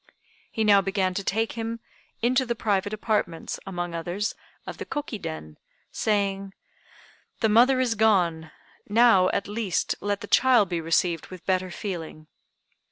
He now began to take him into the private apartments, among others, of the Koki den, saying, "The mother is gone! now at least, let the child be received with better feeling."